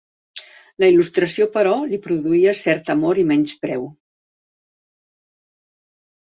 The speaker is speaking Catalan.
La Il·lustració, però, li produïa cert temor i menyspreu.